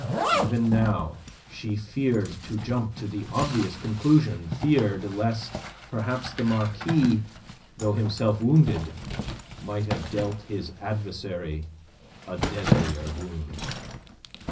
Even now she feared to jump to the obvious conclusion feared lest perhaps the Marquis, though himself wounded, might have dealt his adversary a deadlier wound.